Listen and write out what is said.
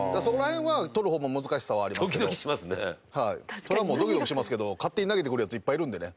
そりゃもうドキドキしますけど勝手に投げてくるヤツいっぱいいるんでね。